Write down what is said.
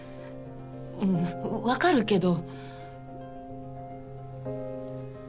うん分かるけど。